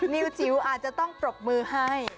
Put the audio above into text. นิวจิ๋วอาจจะต้องปรบมือให้